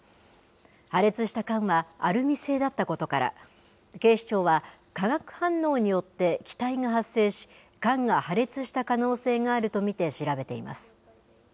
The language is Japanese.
破裂した缶はアルミ製だったことから、警視庁は、化学反応によって気体が発生し、缶が破裂した可能性があると見て、調べています。